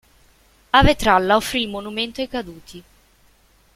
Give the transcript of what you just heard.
A Vetralla offrì il Monumento ai Caduti.